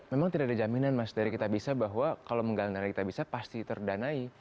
memang tidak ada jaminan mas dari kitabisa bahwa kalau menggalang dana kitabisa pasti terdanai